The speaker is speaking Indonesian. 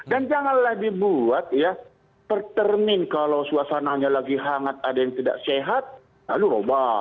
dan janganlah dibuat ya pertermin kalau suasananya lagi hangat ada yang tidak sehat lalu berubah